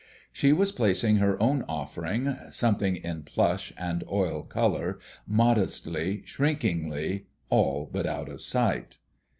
She was placing her own offering, something in plush and oil colour, modestly, shrinkingly, all but out of sight.